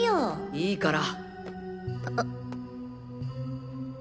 いいから。